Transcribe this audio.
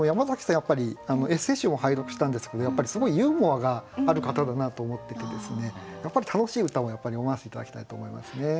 やっぱりエッセー集も拝読したんですけどやっぱりすごいユーモアがある方だなと思っててやっぱり楽しい歌を読ませて頂きたいと思いますね。